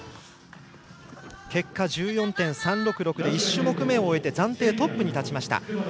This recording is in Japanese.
結果、１４．３６６で１種目めを終えて暫定トップに立ちました、岸里奈。